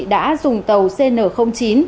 đã dùng tàu cn chín